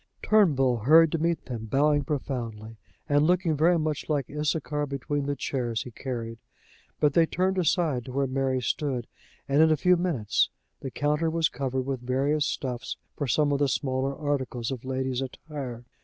Turnbull hurried to meet them, bowing profoundly, and looking very much like Issachar between the chairs he carried. But they turned aside to where Mary stood, and in a few minutes the counter was covered with various stuffs for some of the smaller articles of ladies' attire.